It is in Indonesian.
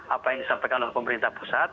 apa yang disampaikan oleh pemerintah pusat